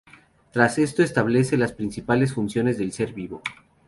Tras esto establece las principales funciones del ser vivo.